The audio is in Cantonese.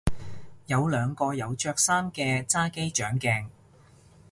有兩個有着衫嘅揸機掌鏡